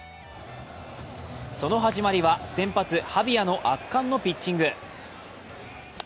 その始まりは、先発・ハビアの圧巻のピッチング。